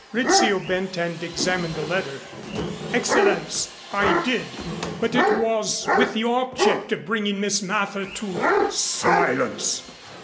Rizzio bent and examined the letter. "Excellenz, I did, but it was with the object of bringing Miss Mather to " "Silence!